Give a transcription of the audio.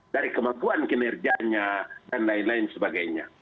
dari kemampuan kinerjanya dan lain lain sebagainya